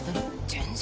全然。